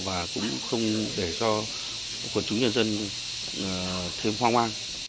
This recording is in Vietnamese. và cũng không để cho quân chúng nhân dân thêm hoang an